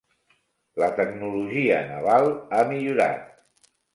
La tecnologia naval ha millorat.